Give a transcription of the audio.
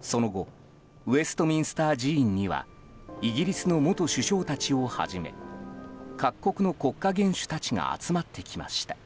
その後ウェストミンスター寺院にはイギリスの元首相たちをはじめ各国の国家元首たちが集まってきました。